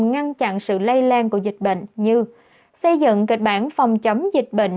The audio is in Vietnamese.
ngăn chặn sự lây lan của dịch bệnh như xây dựng kịch bản phòng chống dịch bệnh